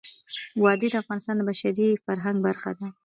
وادي د افغانستان د بشري فرهنګ برخه ده.